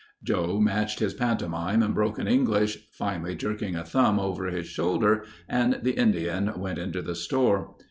Joe matched his pantomime and broken English, finally jerking a thumb over his shoulder and the Indian went into the store.